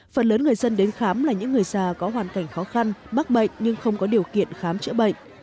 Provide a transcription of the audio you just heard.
phần lớn người dân đến khám là những người già có hoàn cảnh khó khăn mắc bệnh nhưng không có điều kiện khám chữa bệnh